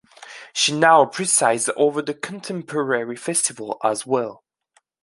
She now presides over the contemporary festival as well.